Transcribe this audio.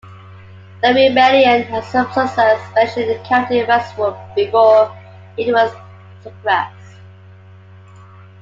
The rebellion had some success, especially in County Wexford, before it was suppressed.